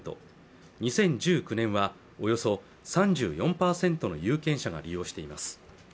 ２０１９年はおよそ３４％の有権者が利用しています